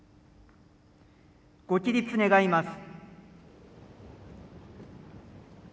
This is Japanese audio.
ご起立願います。